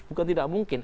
bukan tidak mungkin